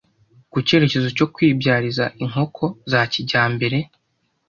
ku cyerekezo cyo kwibyariza inkoko za kijyambere